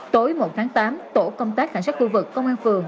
tối một tháng tám tổ công tác cảnh sát khu vực công an phường